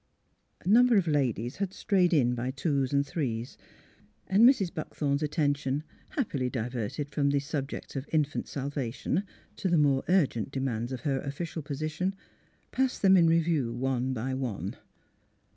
A number of ladies had strayed in by twos and threes, and Mrs. Buckthorn's attention, happily diverted from the subject of infant salvation to THE PAEISH HEARS THE NEWS 301 the more urgent demands of her official position, passed them in review one by one.